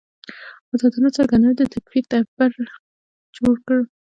ازادانه څرګندونې د تکفیر تبر جوړ کړ.